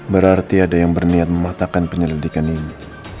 berarti ada yang berniat mematakan penyelidikan ini